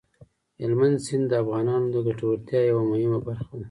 هلمند سیند د افغانانو د ګټورتیا یوه مهمه برخه ده.